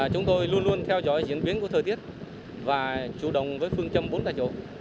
chúng tôi luôn luôn theo dõi diễn biến của thời tiết và chủ động với phương châm bốn tại chỗ